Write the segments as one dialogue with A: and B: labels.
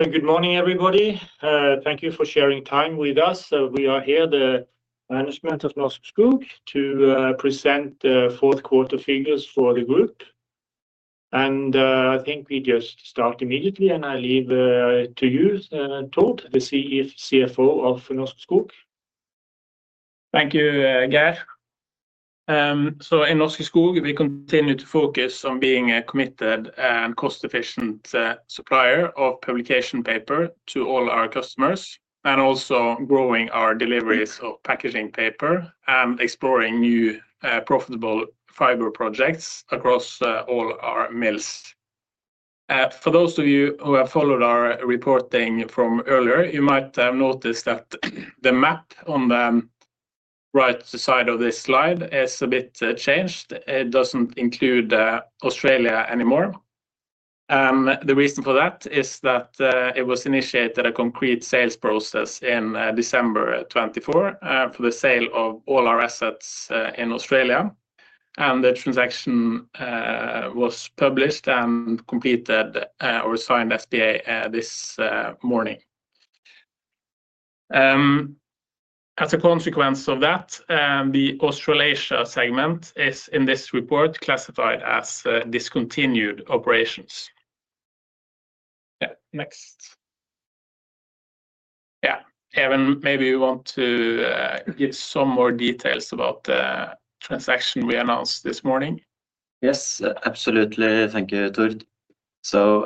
A: Good morning, everybody. Thank you for sharing time with us. We are here, the management of Norske Skog, to present the fourth quarter figures for the group. I think we just start immediately, and I leave it to you, Tord, the CFO of Norske Skog.
B: Thank you, Geir. In Norske Skog, we continue to focus on being a committed and cost-efficient supplier of publication paper to all our customers, and also growing our deliveries of packaging paper and exploring new profitable fiber projects across all our mills. For those of you who have followed our reporting from earlier, you might have noticed that the map on the right side of this slide is a bit changed. It does not include Australia anymore. The reason for that is that it was initiated a concrete sales process in December 2024 for the sale of all our assets in Australia, and the transaction was published and completed or signed SPA this morning. As a consequence of that, the Australasia segment is in this report classified as discontinued operations. Next. Even, maybe you want to give some more details about the transaction we announced this morning.
C: Yes, absolutely. Thank you, Tord.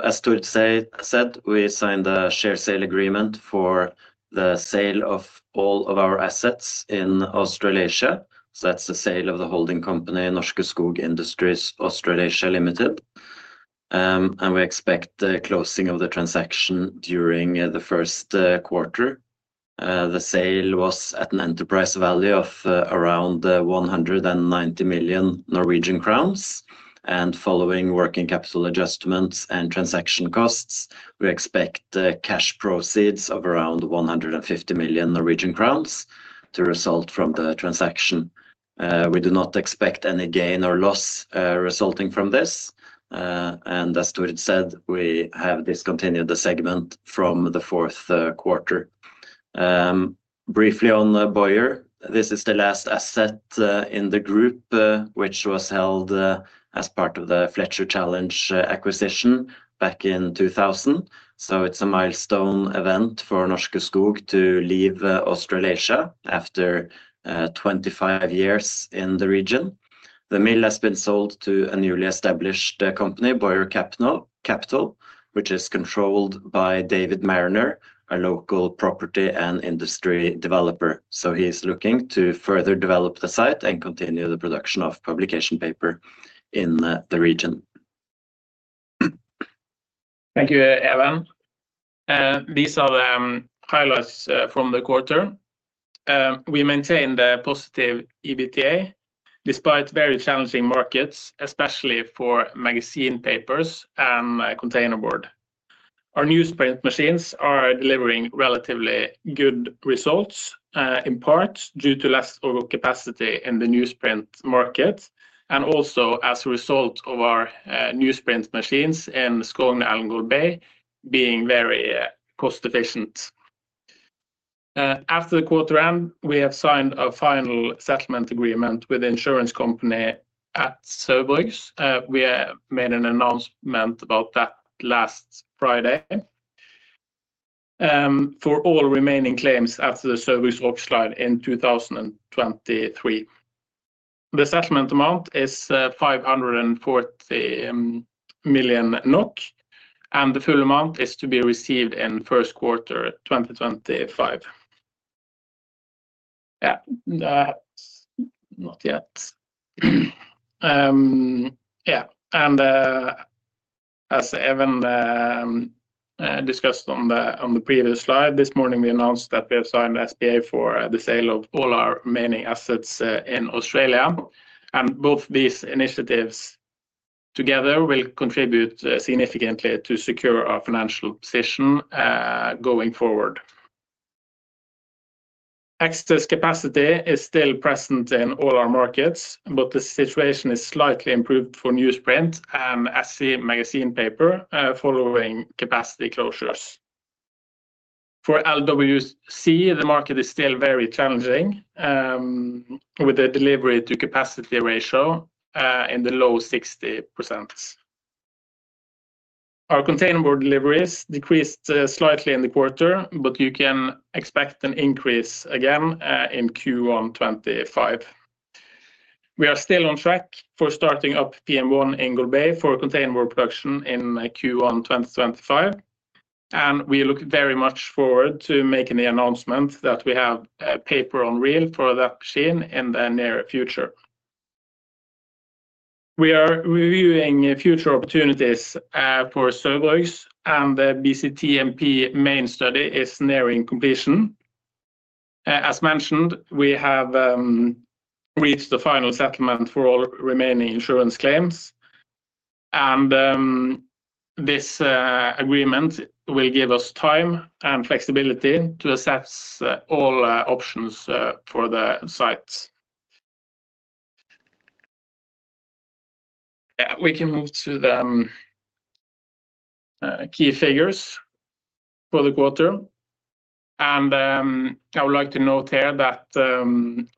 C: As Tord said, we signed a share sale agreement for the sale of all of our assets in Australasia. That is the sale of the holding company Norske Skog Industries Australasia Ltd. We expect the closing of the transaction during the first quarter. The sale was at an enterprise value of around 190 million Norwegian crowns. Following working capital adjustments and transaction costs, we expect cash proceeds of around 150 million Norwegian crowns to result from the transaction. We do not expect any gain or loss resulting from this. As Tord said, we have discontinued the segment from the fourth quarter. Briefly on the buyer, this is the last asset in the group, which was held as part of the Fletcher Challenge acquisition back in 2000. It is a milestone event for Norske Skog to leave Australasia after 25 years in the region. The mill has been sold to a newly established company, Boyer Capital, which is controlled by David Marriner, a local property and industry developer. He is looking to further develop the site and continue the production of publication paper in the region.
B: Thank you, Even. These are the highlights from the quarter. We maintain the positive EBITDA despite very challenging markets, especially for magazine papers and container board. Our newsprint machines are delivering relatively good results, in part due to less overcapacity in the newsprint market, and also as a result of our newsprint machines in Skogn and Golbey being very cost-efficient. After the quarter end, we have signed a final settlement agreement with the insurance company at Saugbrugs. We made an announcement about that last Friday for all remaining claims after the Saugbrugs incident in 2023. The settlement amount is 540 million NOK, and the full amount is to be received in first quarter 2025. Yeah, not yet. Yeah, and as Even discussed on the previous slide, this morning we announced that we have signed SPA for the sale of all our remaining assets in Australia. Both these initiatives together will contribute significantly to secure our financial position going forward. Excess capacity is still present in all our markets, but the situation is slightly improved for newsprint and SE magazine paper following capacity closures. For LWC, the market is still very challenging with the delivery to capacity ratio in the low 60%. Our container board deliveries decreased slightly in the quarter, but you can expect an increase again in Q1 2025. We are still on track for starting up PM1 in Golbey for container board production in Q1 2025. We look very much forward to making the announcement that we have paper on wheel for that machine in the near future. We are reviewing future opportunities for Saugbrugs, and the BCTMP main study is nearing completion. As mentioned, we have reached the final settlement for all remaining insurance claims. This agreement will give us time and flexibility to assess all options for the site. We can move to the key figures for the quarter. I would like to note here that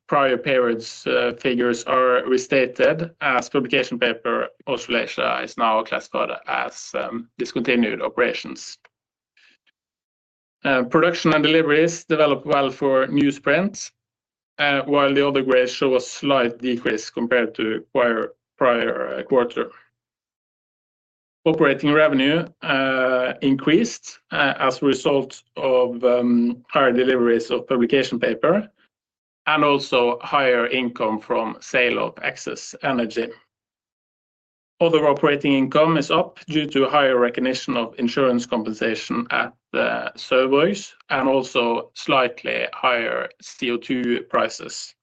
B: prior periods figures are restated as publication paper Australasia is now classified as discontinued operations. Production and deliveries develop well for newsprint, while the other grades show a slight decrease compared to prior quarter. Operating revenue increased as a result of higher deliveries of publication paper and also higher income from sale of excess energy. Other operating income is up due to higher recognition of insurance compensation at Saugbrugs and also slightly higher CO2 prices.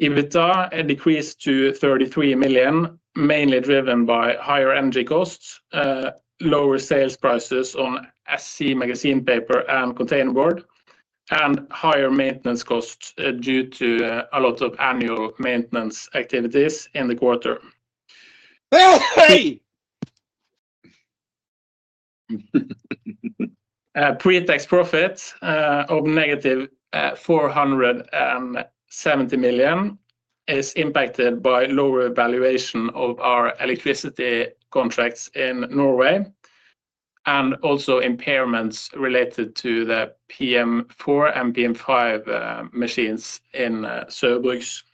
B: EBITDA decreased to 33 million, mainly driven by higher energy costs, lower sales prices on SC magazine paper and container board, and higher maintenance costs due to a lot of annual maintenance activities in the quarter. Pre-tax profit of negative 470 million is impacted by lower valuation of our electricity contracts in Norway and also impairments related to the PM4 and PM5 machines in Saugbrugs.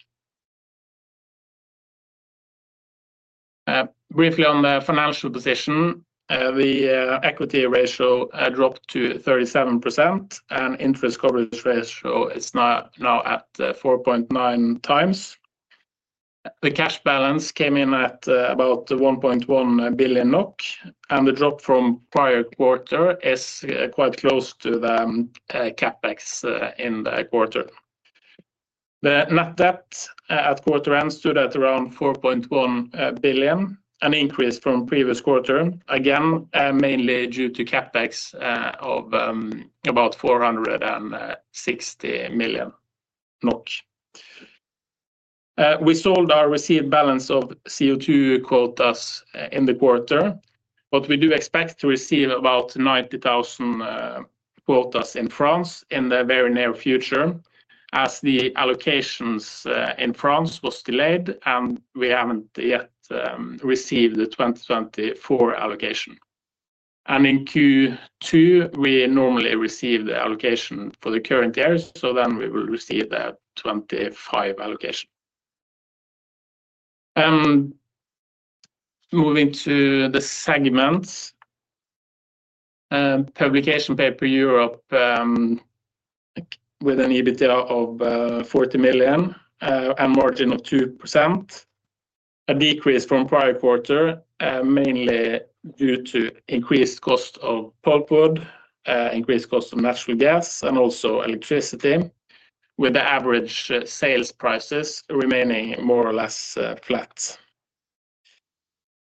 B: Briefly on the financial position, the equity ratio dropped to 37%, and interest coverage ratio is now at 4.9x. The cash balance came in at about 1.1 billion NOK, and the drop from prior quarter is quite close to the CapEx in the quarter. The net debt at quarter end stood at around 4.1 billion, an increase from previous quarter, again mainly due to CapEx of about NOK 460 million. We sold our received balance of CO2 quotas in the quarter, but we do expect to receive about 90,000 quotas in France in the very near future as the allocations in France were delayed, and we have not yet received the 2024 allocation. In Q2, we normally receive the allocation for the current year, so we will receive the 2025 allocation. Moving to the segments, publication paper Europe with an EBITDA of 40 million and margin of 2%, a decrease from prior quarter, mainly due to increased cost of pulpwood, increased cost of natural gas, and also electricity, with the average sales prices remaining more or less flat.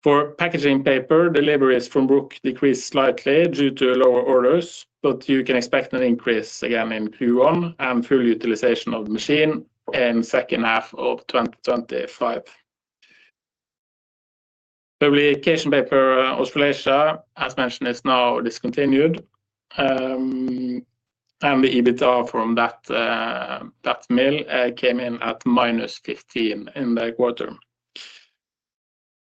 B: For packaging paper, deliveries from Bruck decreased slightly due to lower orders, but you can expect an increase again in Q1 and full utilization of the machine in the second half of 2025. Publication paper Australasia, as mentioned, is now discontinued, and the EBITDA from that mill came in at -15 million in the quarter.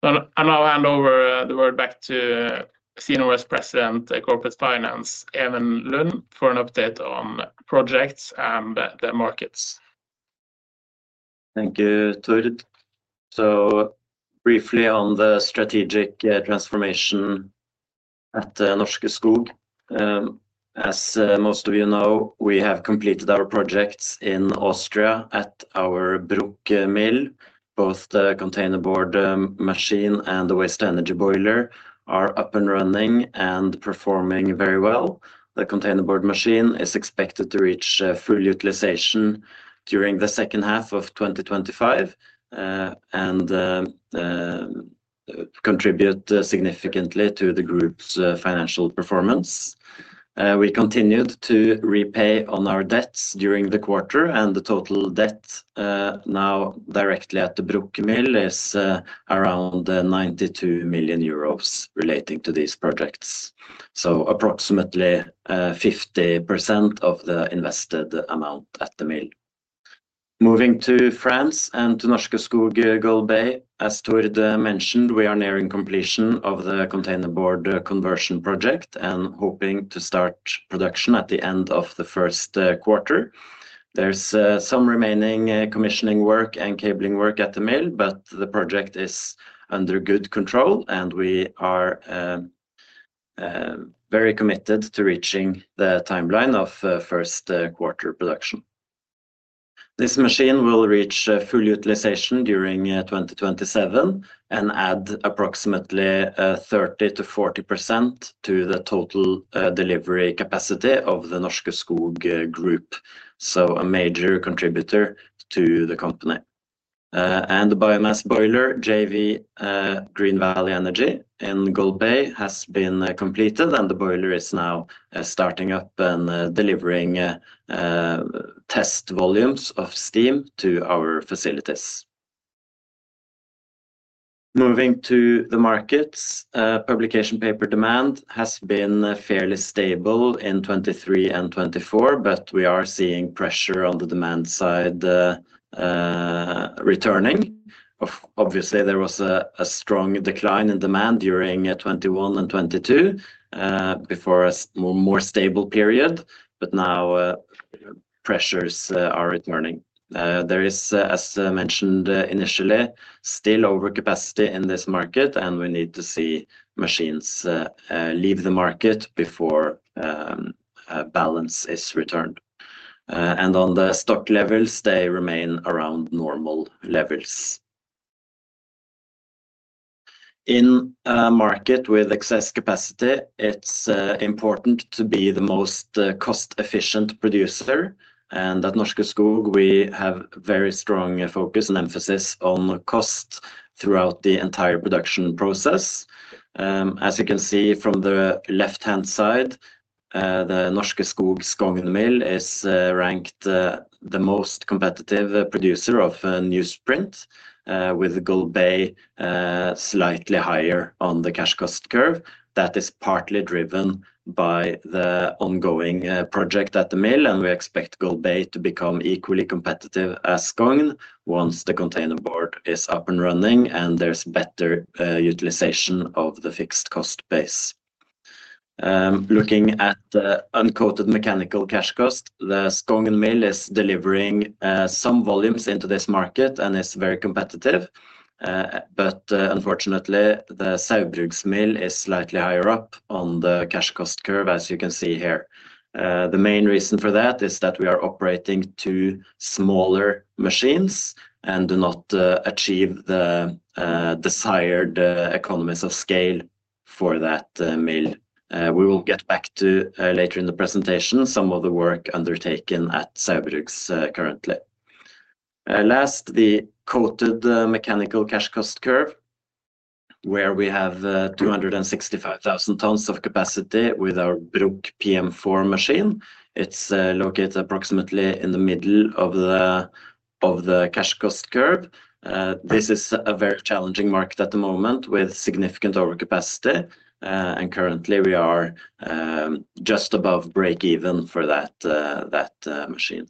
B: I will hand over the word back to Senior Vice President Corporate Finance, Even Lund, for an update on projects and the markets.
C: Thank you, Tord. Briefly on the strategic transformation at Norske Skog. As most of you know, we have completed our projects in Austria at our Bruck mill. Both the container board machine and the waste energy boiler are up and running and performing very well. The container board machine is expected to reach full utilization during the second half of 2025 and contribute significantly to the group's financial performance. We continued to repay on our debts during the quarter, and the total debt now directly at the Bruck mill is around 92 million euros relating to these projects. So approximately 50% of the invested amount at the mill. Moving to France and to Norske Skog Golbey, as Tord mentioned, we are nearing completion of the container board conversion project and hoping to start production at the end of the first quarter. There's some remaining commissioning work and cabling work at the mill, but the project is under good control, and we are very committed to reaching the timeline of first quarter production. This machine will reach full utilization during 2027 and add approximately 30%-40% to the total delivery capacity of the Norske Skog Group, so a major contributor to the company. The biomass boiler, JV Green Valley Energy in Golbey, has been completed, and the boiler is now starting up and delivering test volumes of steam to our facilities. Moving to the markets, publication paper demand has been fairly stable in 2023 and 2024, but we are seeing pressure on the demand side returning. Obviously, there was a strong decline in demand during 2021 and 2022 before a more stable period, but now pressures are returning. There is, as mentioned initially, still overcapacity in this market, and we need to see machines leave the market before balance is returned. On the stock levels, they remain around normal levels. In a market with excess capacity, it's important to be the most cost-efficient producer. At Norske Skog, we have a very strong focus and emphasis on cost throughout the entire production process. As you can see from the left-hand side, the Norske Skog Skogn mill is ranked the most competitive producer of newsprint, with Golbey slightly higher on the cash cost curve. That is partly driven by the ongoing project at the mill, and we expect Golbey to become equally competitive as Skogn once the container board is up and running and there's better utilization of the fixed cost base. Looking at unquoted mechanical cash cost, the Skogn mill is delivering some volumes into this market and is very competitive. Unfortunately, the Saugbrugs mill is slightly higher up on the cash cost curve, as you can see here. The main reason for that is that we are operating two smaller machines and do not achieve the desired economies of scale for that mill. We will get back to later in the presentation some of the work undertaken at Saugbrugs currently. Last, the quoted mechanical cash cost curve, where we have 265,000 tons of capacity with our Bruck PM4 machine. It is located approximately in the middle of the cash cost curve. This is a very challenging market at the moment with significant overcapacity, and currently we are just above break-even for that machine.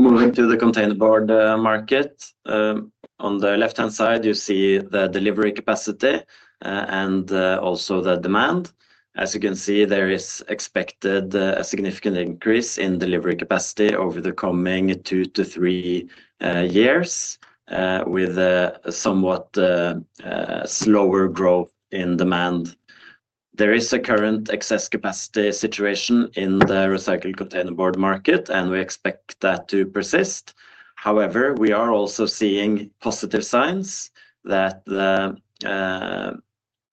C: Moving to the container board market, on the left-hand side, you see the delivery capacity and also the demand. As you can see, there is expected a significant increase in delivery capacity over the coming two to three years, with a somewhat slower growth in demand. There is a current excess capacity situation in the recycled container board market, and we expect that to persist. However, we are also seeing positive signs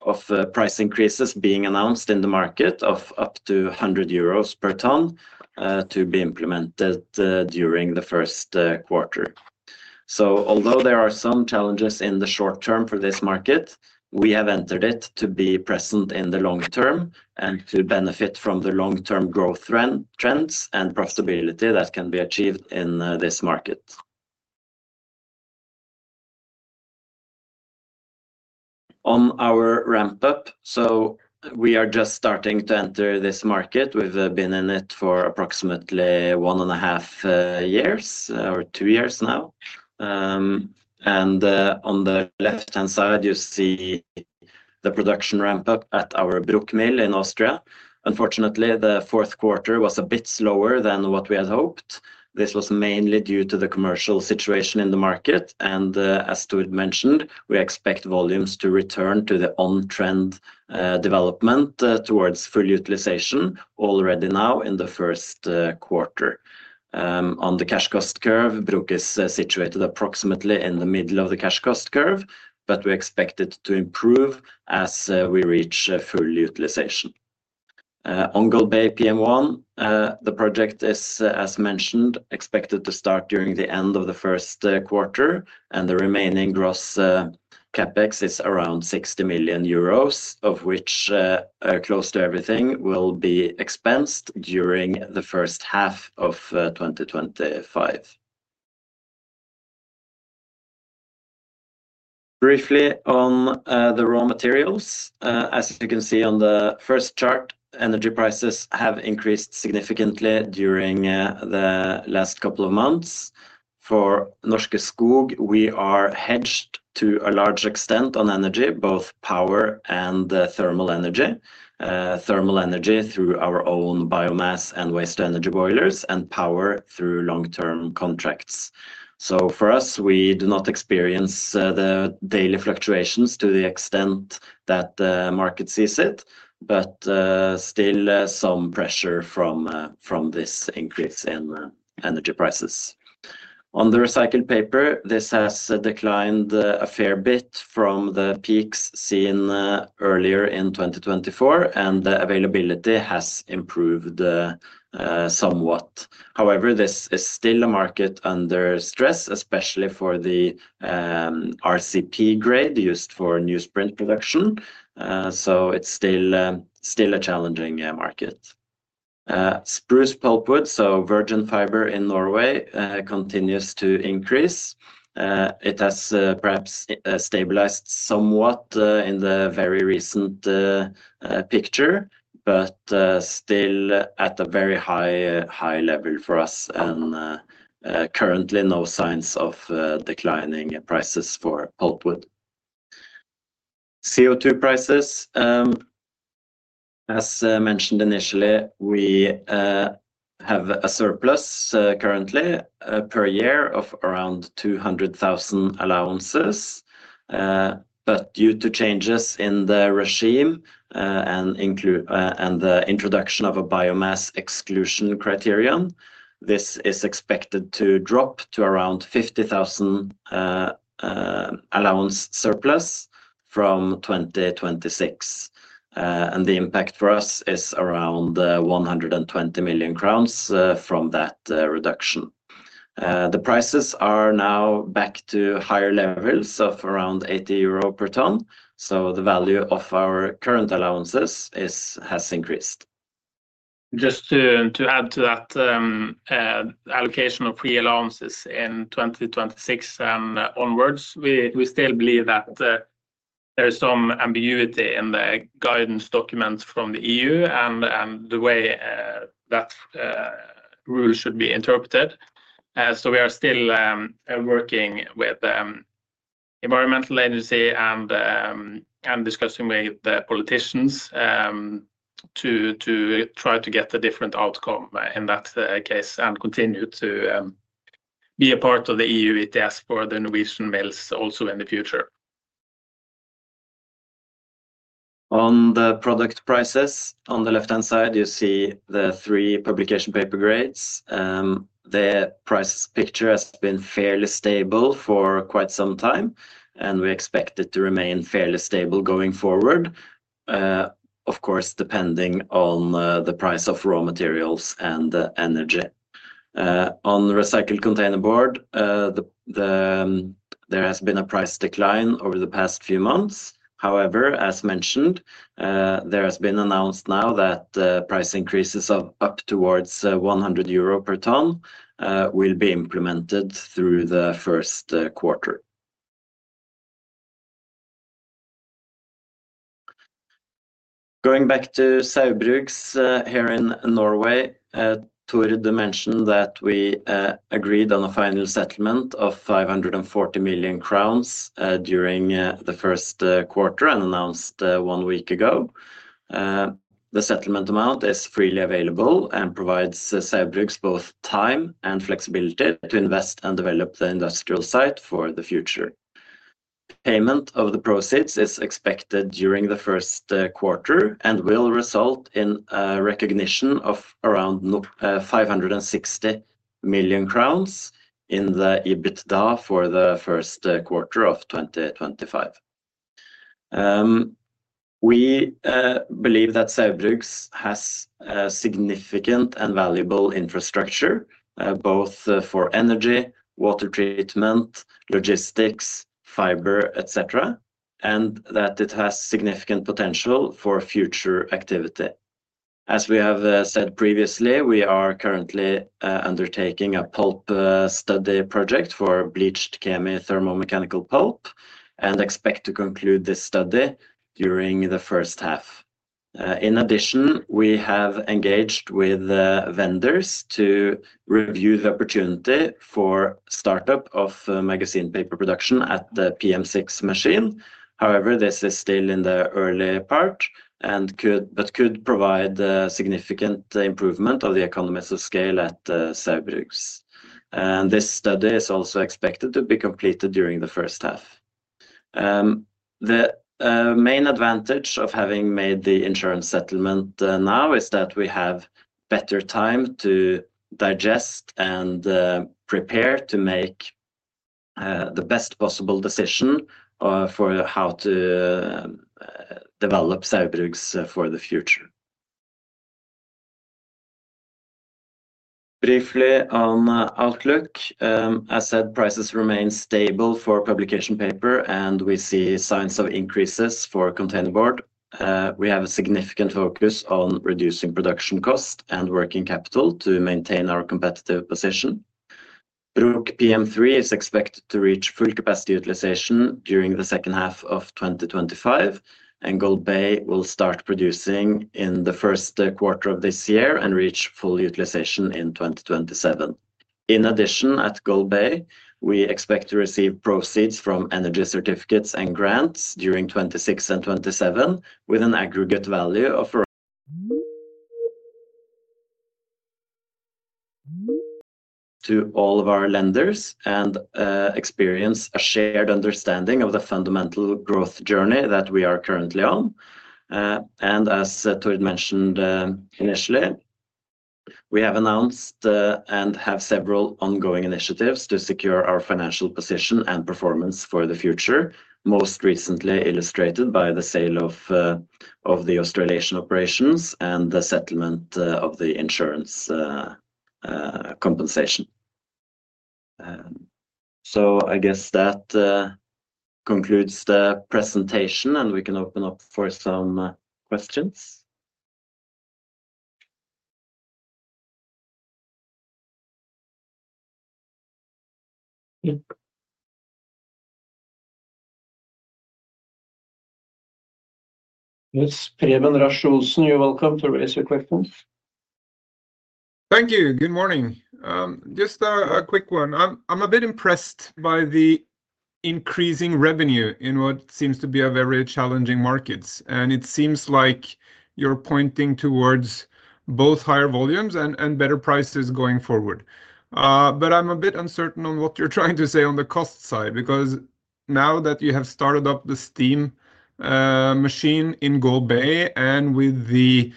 C: of price increases being announced in the market of up to 100 euros per ton to be implemented during the first quarter. Although there are some challenges in the short term for this market, we have entered it to be present in the long term and to benefit from the long-term growth trends and profitability that can be achieved in this market. On our ramp-up, we are just starting to enter this market. We've been in it for approximately one and a half years or two years now. On the left-hand side, you see the production ramp-up at our Bruck mill in Austria. Unfortunately, the fourth quarter was a bit slower than what we had hoped. This was mainly due to the commercial situation in the market. As Tord mentioned, we expect volumes to return to the on-trend development towards full utilization already now in the first quarter. On the cash cost curve, Bruck is situated approximately in the middle of the cash cost curve, but we expect it to improve as we reach full utilization. On Golbey PM1, the project is, as mentioned, expected to start during the end of the first quarter, and the remaining gross CapEx is around 60 million euros, of which close to everything will be expensed during the first half of 2025. Briefly on the raw materials, as you can see on the first chart, energy prices have increased significantly during the last couple of months. For Norske Skog, we are hedged to a large extent on energy, both power and thermal energy, thermal energy through our own biomass and waste energy boilers, and power through long-term contracts. For us, we do not experience the daily fluctuations to the extent that the market sees it, but still some pressure from this increase in energy prices. On the recycled paper, this has declined a fair bit from the peaks seen earlier in 2024, and the availability has improved somewhat. However, this is still a market under stress, especially for the RCP grade used for newsprint production. It is still a challenging market. Spruce pulpwood, so virgin fiber in Norway, continues to increase. It has perhaps stabilized somewhat in the very recent picture, but still at a very high level for us, and currently no signs of declining prices for pulpwood. CO2 prices, as mentioned initially, we have a surplus currently per year of around 200,000 allowances. Due to changes in the regime and the introduction of a biomass exclusion criterion, this is expected to drop to around 50,000 allowance surplus from 2026. The impact for us is around 120 million crowns from that reduction. The prices are now back to higher levels of around 80 euro per ton. The value of our current allowances has increased.
B: Just to add to that allocation of free allowances in 2026 and onwards, we still believe that there is some ambiguity in the guidance documents from the EU and the way that rule should be interpreted. We are still working with the environmental agency and discussing with the politicians to try to get a different outcome in that case and continue to be a part of the EU ETS for the Norwegian mills also in the future.
C: On the product prices, on the left-hand side, you see the three publication paper grades. The price picture has been fairly stable for quite some time, and we expect it to remain fairly stable going forward, of course, depending on the price of raw materials and energy. On recycled container board, there has been a price decline over the past few months. However, as mentioned, there has been announced now that price increases of up towards 100 euro per ton will be implemented through the first quarter. Going back to Saugbrugs here in Norway, Tord mentioned that we agreed on a final settlement of 540 million crowns during the first quarter and announced one week ago. The settlement amount is freely available and provides Saugbrugs both time and flexibility to invest and develop the industrial site for the future. Payment of the proceeds is expected during the first quarter and will result in recognition of around 560 million crowns in the EBITDA for the first quarter of 2025. We believe that Saugbrugs has significant and valuable infrastructure, both for energy, water treatment, logistics, fiber, etc., and that it has significant potential for future activity. As we have said previously, we are currently undertaking a pulp study project for Bleached Chemi-Thermomechanical Pulp and expect to conclude this study during the first half. In addition, we have engaged with vendors to review the opportunity for startup of magazine paper production at the PM6 machine. However, this is still in the early part, but could provide significant improvement of the economies of scale at Saugbrugs. This study is also expected to be completed during the first half. The main advantage of having made the insurance settlement now is that we have better time to digest and prepare to make the best possible decision for how to develop Saugbrugs for the future. Briefly on outlook, as said, prices remain stable for publication paper, and we see signs of increases for container board. We have a significant focus on reducing production cost and working capital to maintain our competitive position. Bruck PM3 is expected to reach full capacity utilization during the second half of 2025, and Golbey will start producing in the first quarter of this year and reach full utilization in 2027. In addition, at Golbey, we expect to receive proceeds from energy certificates and grants during 2026 and 2027, with an aggregate value of. To all of our lenders and experience a shared understanding of the fundamental growth journey that we are currently on. As Tord mentioned initially, we have announced and have several ongoing initiatives to secure our financial position and performance for the future, most recently illustrated by the sale of the Australasian operations and the settlement of the insurance compensation. I guess that concludes the presentation, and we can open up for some questions.
B: Yes, Preben Rasch-Olsen, you're welcome to raise your questions. Thank you. Good morning.
D: Just a quick one. I'm a bit impressed by the increasing revenue in what seems to be a very challenging market. It seems like you're pointing towards both higher volumes and better prices going forward. I'm a bit uncertain on what you're trying to say on the cost side because now that you have started up the steam machine in Golbey and with the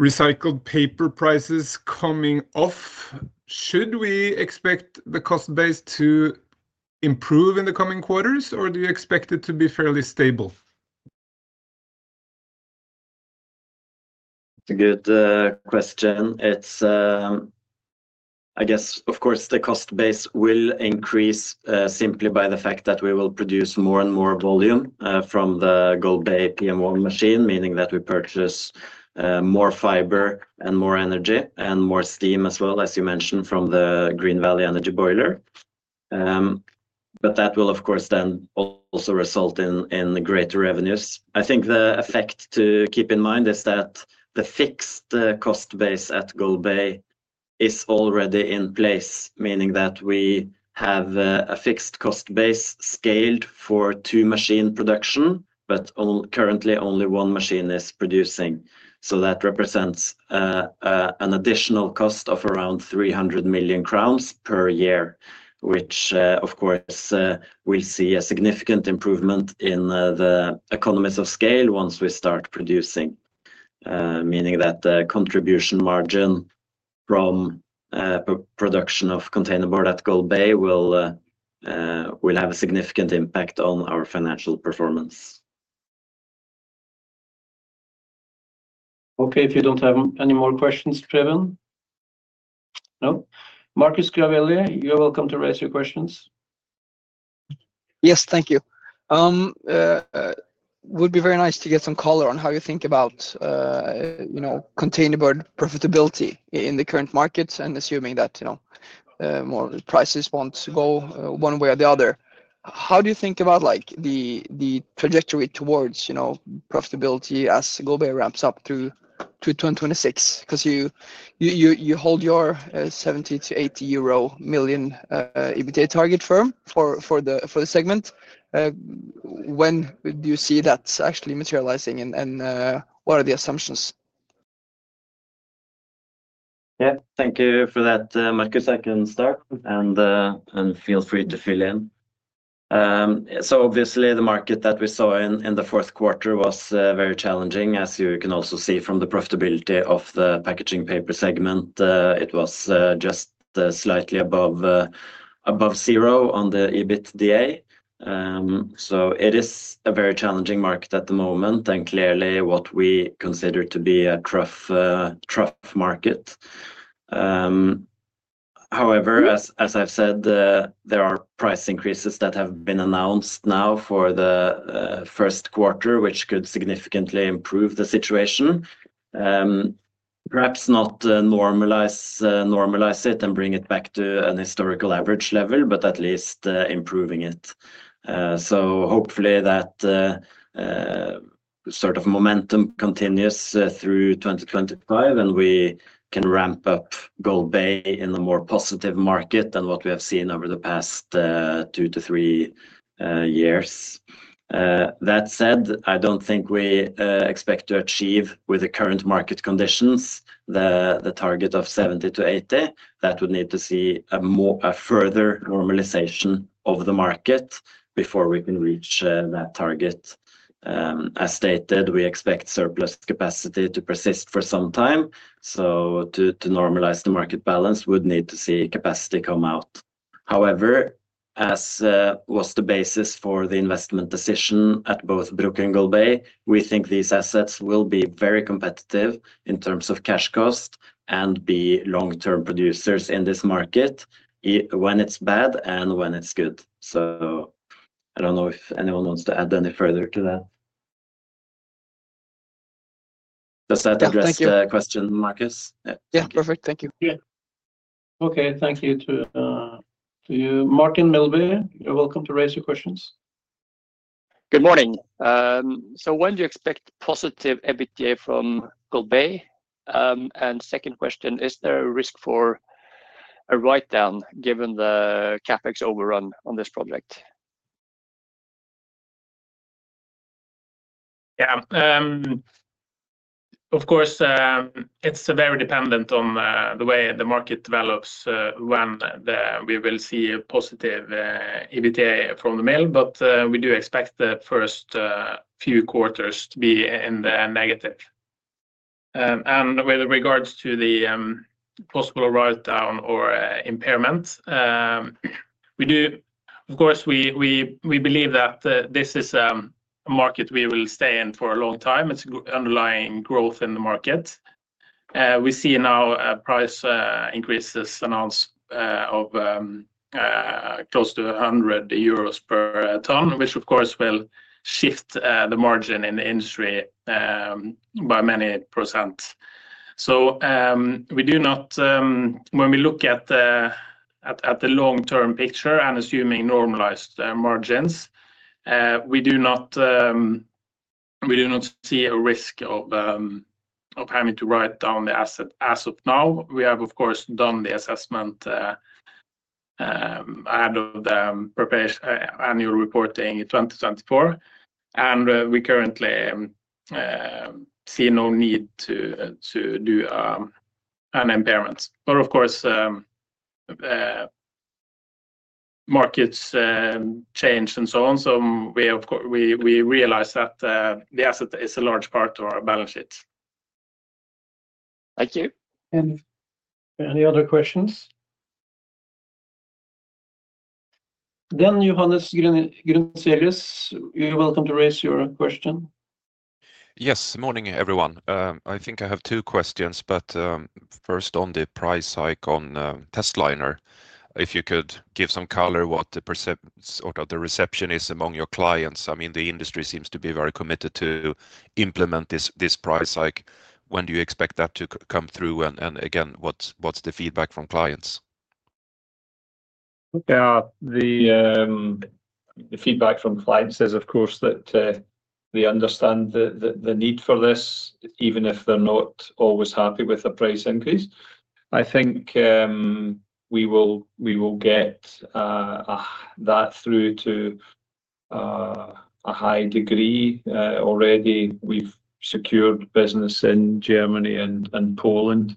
D: recycled paper prices coming off, should we expect the cost base to improve in the coming quarters, or do you expect it to be fairly stable?
C: It's a good question. I guess, of course, the cost base will increase simply by the fact that we will produce more and more volume from the Golbey PM1 machine, meaning that we purchase more fiber and more energy and more steam as well, as you mentioned, from the Green Valley Energy boiler. That will, of course, then also result in greater revenues. I think the effect to keep in mind is that the fixed cost base at Golbey is already in place, meaning that we have a fixed cost base scaled for two machine production, but currently only one machine is producing. That represents an additional cost of around 300 million crowns per year, which, of course, will see a significant improvement in the economies of scale once we start producing, meaning that the contribution margin from production of container board at Golbey will have a significant impact on our financial performance.
B: Okay, if you do not have any more questions, Preben. No? Marcus Gravelli, you are welcome to raise your questions. Yes, thank you.
E: It would be very nice to get some color on how you think about containerboard profitability in the current markets and assuming that more prices want to go one way or the other. How do you think about the trajectory towards profitability as Golbey ramps up through 2026? Because you hold your 70 million-80 million euro EBITDA target firm for the segment. When do you see that actually materializing, and what are the assumptions?
C: Yeah, thank you for that, Marcus. I can start, and feel free to fill in. Obviously, the market that we saw in the fourth quarter was very challenging, as you can also see from the profitability of the packaging paper segment. It was just slightly above zero on the EBITDA. It is a very challenging market at the moment and clearly what we consider to be a tough market. However, as I've said, there are price increases that have been announced now for the first quarter, which could significantly improve the situation. Perhaps not normalize it and bring it back to a historical average level, but at least improving it. Hopefully that sort of momentum continues through 2025, and we can ramp up Golbey in a more positive market than what we have seen over the past two to three years. That said, I don't think we expect to achieve with the current market conditions the target of 70 million-80 million. That would need to see a further normalization of the market before we can reach that target. As stated, we expect surplus capacity to persist for some time. To normalize the market balance, we would need to see capacity come out. However, as was the basis for the investment decision at both Bruck and Golbey, we think these assets will be very competitive in terms of cash cost and be long-term producers in this market when it is bad and when it is good. I do not know if anyone wants to add any further to that. Does that address the question, Marcus?
E: Yeah, perfect. Thank you.
B: Okay, thank you to you. Martin Melby, you are welcome to raise your questions.
F: Good morning. When do you expect positive EBITDA from Golbey? Second question, is there a risk for a write-down given the CapEx overrun on this project?
B: Yeah, of course, it is very dependent on the way the market develops when we will see a positive EBITDA from the mill, but we do expect the first few quarters to be in the negative. With regards to the possible write-down or impairment, we do, of course, believe that this is a market we will stay in for a long time. It is underlying growth in the market. We see now price increases announced of close to 100 euros per ton, which, of course, will shift the margin in the industry by many %. We do not, when we look at the long-term picture and assuming normalized margins, see a risk of having to write down the asset as of now. We have, of course, done the assessment ahead of the annual reporting in 2024, and we currently see no need to do an impairment. Of course, markets change and so on, so we realize that the asset is a large part of our balance sheet. Thank you. Any other questions? Johannes Grunselius, you're welcome to raise your question.
G: Yes, morning everyone. I think I have two questions, but first on the price hike on Testliner. If you could give some color what the perception is among your clients. I mean, the industry seems to be very committed to implement this price hike. When do you expect that to come through? Again, what's the feedback from clients?
A: The feedback from clients is, of course, that they understand the need for this, even if they're not always happy with the price increase. I think we will get that through to a high degree. Already, we've secured business in Germany and Poland.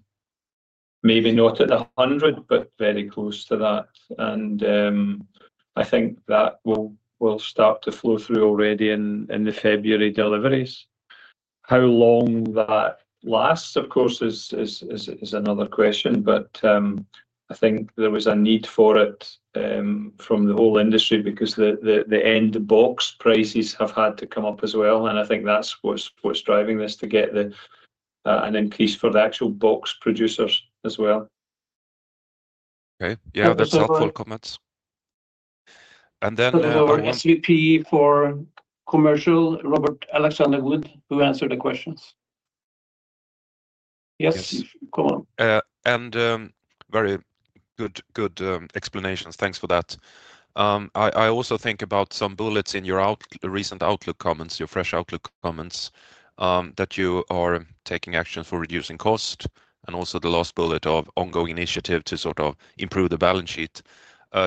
A: Maybe not at 100, but very close to that. I think that will start to flow through already in the February deliveries. How long that lasts, of course, is another question, but I think there was a need for it from the whole industry because the end box prices have had to come up as well. I think that's what's driving this to get an increase for the actual box producers as well.
G: Okay, yeah, that's helpful comments.
B: Then CPE for commercial, Robert Wood, who answered the questions? Yes, come on.
G: Very good explanations. Thanks for that. I also think about some bullets in your recent outlook comments, your fresh outlook comments, that you are taking action for reducing cost and also the last bullet of ongoing initiative to sort of improve the balance sheet.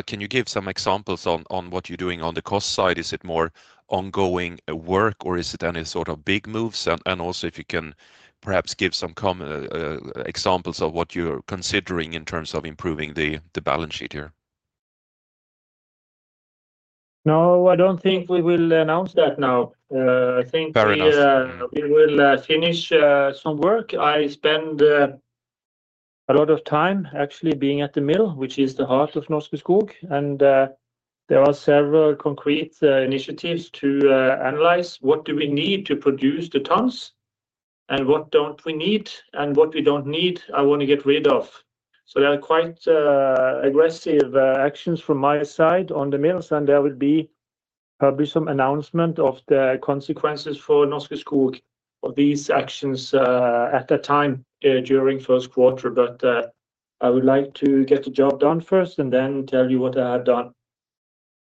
G: Can you give some examples on what you're doing on the cost side? Is it more ongoing work, or is it any sort of big moves? If you can perhaps give some examples of what you're considering in terms of improving the balance sheet here.
B: No, I do not think we will announce that now. I think we will finish some work. I spend a lot of time actually being at the mill, which is the heart of Norske Skog. There are several concrete initiatives to analyze what do we need to produce the tons and what do not we need and what we do not need I want to get rid of. There are quite aggressive actions from my side on the mills, and there will probably be some announcement of the consequences for Norske Skog of these actions at that time during first quarter. I would like to get the job done first and then tell you what I have done.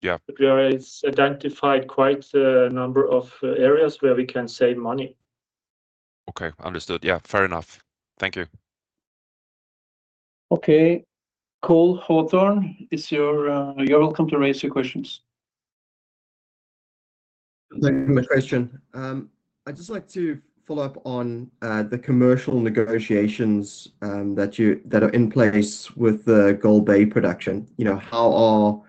B: Yeah. There is identified quite a number of areas where we can save money.
G: Okay, understood. Yeah, fair enough. Thank you.
B: Okay, Cole Hawthorne, you're welcome to raise your questions.
H: Thank you for the question. I'd just like to follow up on the commercial negotiations that are in place with the Golbey production. How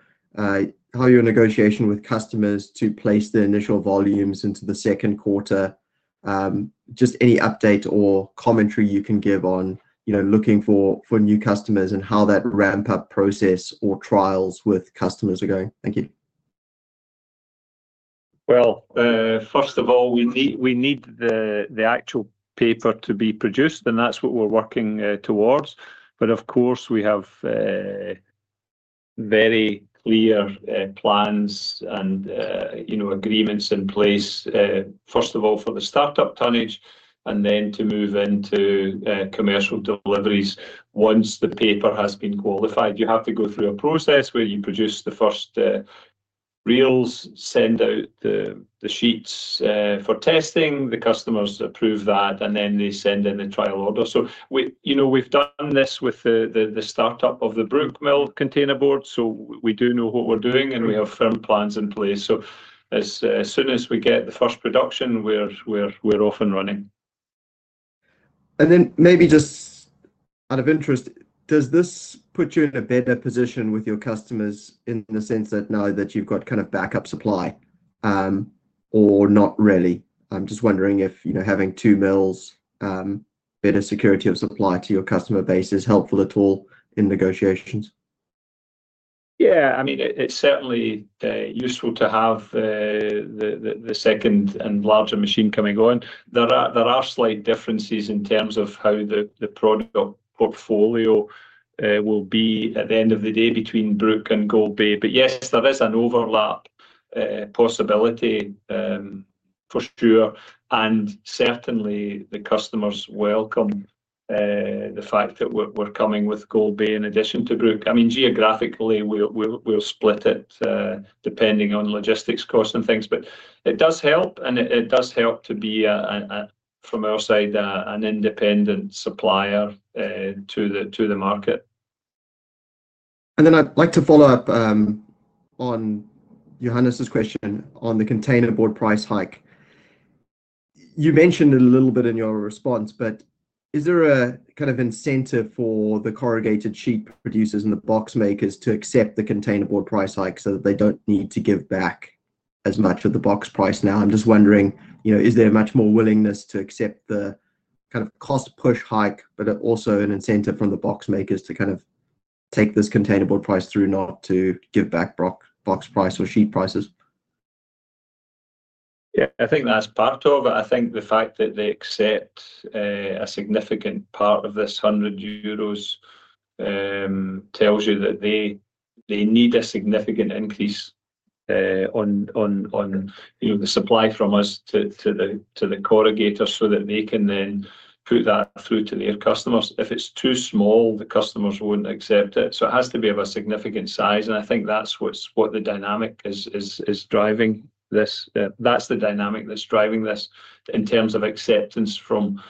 H: are your negotiations with customers to place the initial volumes into the second quarter? Just any update or commentary you can give on looking for new customers and how that ramp-up process or trials with customers are going. Thank you.
A: First of all, we need the actual paper to be produced, and that's what we're working towards. Of course, we have very clear plans and agreements in place, first of all, for the startup tonnage and then to move into commercial deliveries. Once the paper has been qualified, you have to go through a process where you produce the first reels, send out the sheets for testing, the customers approve that, and then they send in the trial order. We have done this with the startup of the Bruck mill container board, so we do know what we are doing, and we have firm plans in place. As soon as we get the first production, we are off and running.
H: Maybe just out of interest, does this put you in a better position with your customers in the sense that now that you have got kind of backup supply or not really? I am just wondering if having two mills, better security of supply to your customer base is helpful at all in negotiations.
A: Yeah, I mean, it is certainly useful to have the second and larger machine coming on. There are slight differences in terms of how the product portfolio will be at the end of the day between Bruck and Golbey. Yes, there is an overlap possibility for sure. Certainly, the customers welcome the fact that we're coming with Golbey in addition to Bruck. I mean, geographically, we'll split it depending on logistics costs and things, but it does help, and it does help to be, from our side, an independent supplier to the market.
H: I'd like to follow up on Johannes' question on the container board price hike. You mentioned it a little bit in your response, but is there a kind of incentive for the corrugated sheet producers and the box makers to accept the container board price hike so that they don't need to give back as much of the box price now? I'm just wondering, is there much more willingness to accept the kind of cost push hike, but also an incentive from the box makers to kind of take this container board price through not to give back box price or sheet prices?
A: Yeah, I think that's part of it. I think the fact that they accept a significant part of this 100 euros tells you that they need a significant increase on the supply from us to the corrugators so that they can then put that through to their customers. If it's too small, the customers won't accept it. It has to be of a significant size. I think that's what the dynamic is driving this. That's the dynamic that's driving this in terms of acceptance from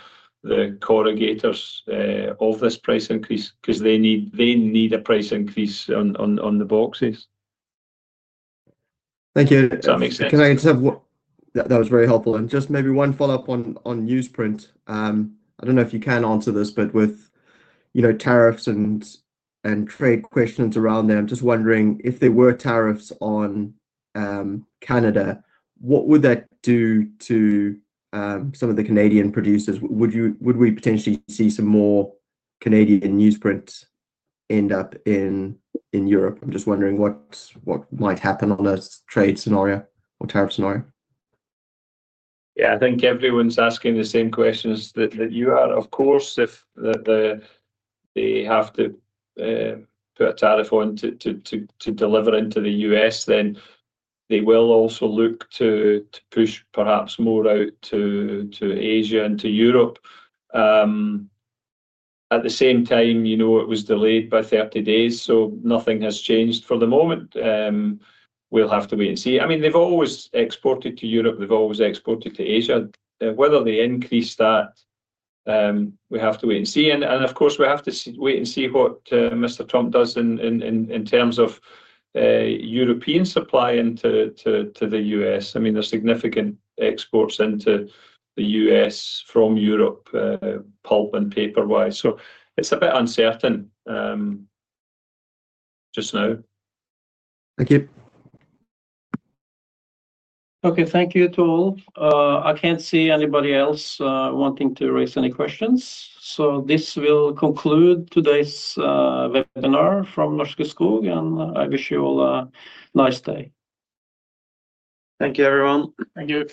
A: the corrugators of this price increase because they need a price increase on the boxes.
H: Thank you.
A: Does that make sense?
H: Can I just have? That was very helpful. Just maybe one follow-up on newsprint. I don't know if you can answer this, but with tariffs and trade questions around there, I'm just wondering if there were tariffs on Canada, what would that do to some of the Canadian producers? Would we potentially see some more Canadian newsprint end up in Europe? I'm just wondering what might happen on a trade scenario or tariff scenario.
A: Yeah, I think everyone's asking the same questions that you are. Of course, if they have to put a tariff on to deliver into the U.S., then they will also look to push perhaps more out to Asia and to Europe. At the same time, it was delayed by 30 days, so nothing has changed for the moment. We'll have to wait and see. I mean, they've always exported to Europe. They've always exported to Asia. Whether they increase that, we have to wait and see. Of course, we have to wait and see what Mr. Trump does in terms of European supply into the U.S. I mean, there's significant exports into the U.S. from Europe, pulp and paper-wise. It is a bit uncertain just now.
H: Thank you.
B: Okay, thank you to all. I can't see anybody else wanting to raise any questions. This will conclude today's webinar from Norske Skog, and I wish you all a nice day.
A: Thank you, everyone.
C: Thank you.